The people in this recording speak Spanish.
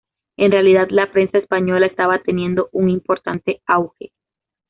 En realidad la prensa española estaba teniendo un importante auge.